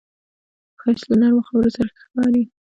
ښایست له نرمو خبرو سره ښکاري